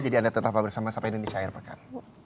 jadi anda tetap bersama sapa indonesia air pekan